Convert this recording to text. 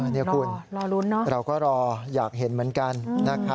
นี่คุณเราก็รออยากเห็นเหมือนกันนะครับคุณผู้ชมฮะรอลุ้นนะ